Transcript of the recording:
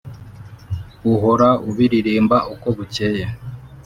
Uhora ubiririmba uko bukeye.